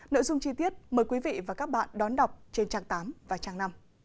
nội dung chi tiết mời quý vị và các bạn đón đọc trên trang tám và trang năm